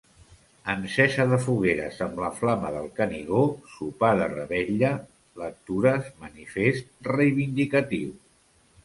Encesa de fogueres amb la Flama del Canigó, sopar de revetlla, lectura manifest reivindicatiu.